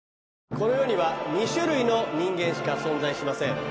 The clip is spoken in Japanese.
この世には２種類の人間しか存在しません。